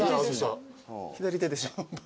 左手でした。